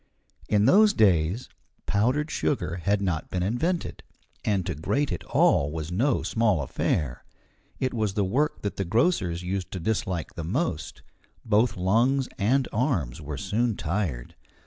In those days powdered sugar had not been invented, and to grate it all was no small affair. It was the work that the grocers used to dislike the most; both lungs and arms were soon tired.